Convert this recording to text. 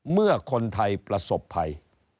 เมื่อคนไทยประสบภัย